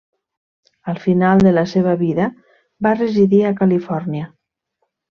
Al final de la seva vida va residir a Califòrnia.